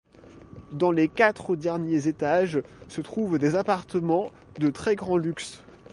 Dans les quatre derniers étages se trouvent des appartements de très grand luxe.